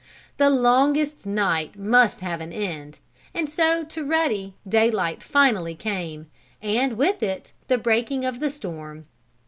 The longest night must have an end, and so to Ruddy daylight finally came, and, with it, the breaking of the storm.